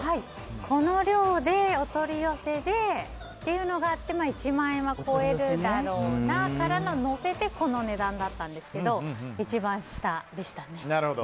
この量でお取り寄せでっていうのがあって１万円は超えるだろうなからの乗せてこの値段だったんですけど一番下でしたね。